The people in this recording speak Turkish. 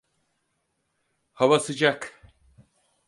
Hava sıcak.